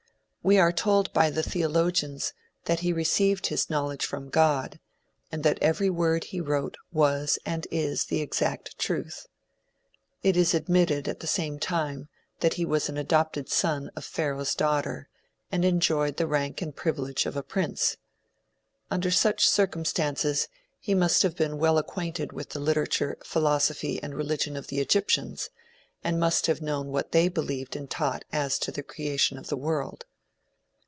We are told by the theologians that he received his knowledge from God, and that every word he wrote was and is the exact truth. It is admitted at the same time that he was an adopted son of Pharaoh's daughter, and enjoyed the rank and privilege of a prince. Under such circumstances, he must have been well acquainted with the literature, philosophy and religion of the Egyptians, and must have known what they believed and taught as to the creation of the world.